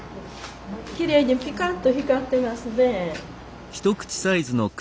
きれいにピカッと光ってますね。